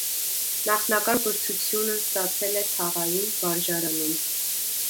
Նախնական կրթությունն ստացել է թաղային վարժարանում։